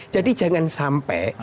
jadi jangan sampai